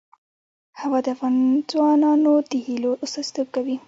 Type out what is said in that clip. هوا د افغان ځوانانو د هیلو استازیتوب کوي.